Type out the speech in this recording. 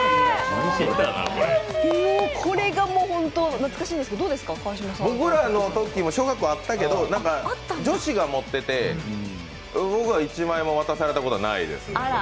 これがホント、懐かしいんですけど僕らのときも小学校あったけど、女子が持ってて、僕は一枚も渡されたことないです。